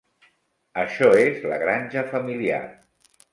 Això és la granja familiar.